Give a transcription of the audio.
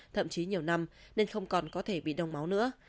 thậm chí nhiều năm nên không còn có thể bị đông máu nữa